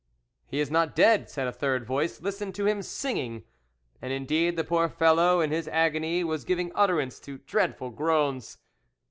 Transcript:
"He is not dead," said a third voice; "listen to him singing"; and indeed the poor fellow in his agony was giving utterance to dreadful groans.